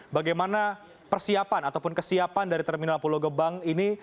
bagaimana persiapan ataupun kesiapan dari terminal pulau gebang ini